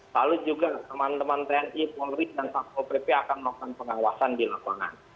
lalu juga teman teman tni polri dan satpol pp akan melakukan pengawasan di lapangan